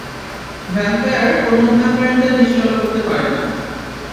Vampire অন্য ভ্যাম্পায়ারদের নিশ্চল করতে পারে না।